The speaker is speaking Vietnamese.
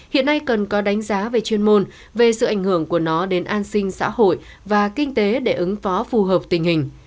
hiện nay cần có đánh giá về chuyên môn về sự ảnh hưởng của nó đến an sinh xã hội và kinh tế để ứng phó phù hợp tình hình